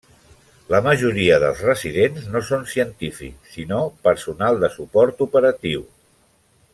La majoria dels residents no són científics sinó personal de suport operatiu.